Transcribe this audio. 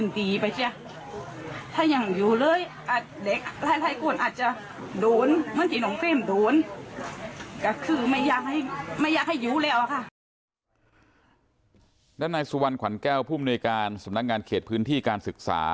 ด้านนายสุวรรณขวัญแก้วผู้มนุยการสำนักงานเขตพื้นที่การศึกษา